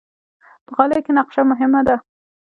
په غالۍ کې نقشه مهمه ده.